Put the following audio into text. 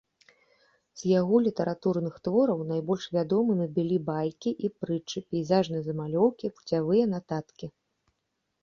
З яго літаратурных твораў найбольш вядомымі былі байкі і прытчы, пейзажныя замалёўкі, пуцявыя нататкі.